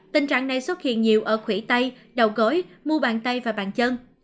tình trạng này xuất hiện nhiều ở khủy tay đầu gối mua bàn tay và bàn chân